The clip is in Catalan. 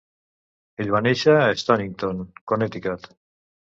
Ell va néixer a Stonington, Connecticut.